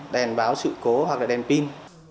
đèn báo sự cố hoặc là đèn pin